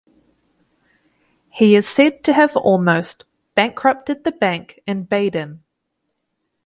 He is said to have almost bankrupted the bank in Baden.